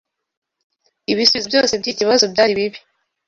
Ibisubizo byose byiki kibazo byari bibi.